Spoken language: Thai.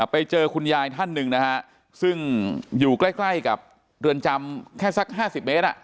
ไปเจอคุณยายท่านหนึ่งนะฮะซึ่งอยู่ใกล้ใกล้กับเรือนจำแค่สัก๕๐เมตร